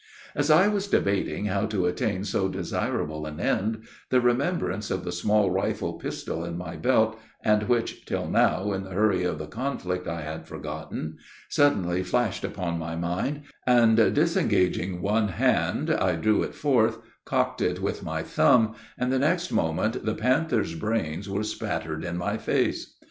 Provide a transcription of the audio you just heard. As I was debating how to attain so desirable an end, the remembrance of the small rifle pistol, in my belt, and which, till now, in the hurry of the conflict I had forgotten, suddenly flashed upon my mind, and, disengaging one hand, I drew it forth, cocked it with my thumb, and the next moment the panther's brains were spattered in my face.